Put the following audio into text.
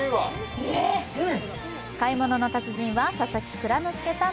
「買い物の達人」は、佐々木蔵之介さん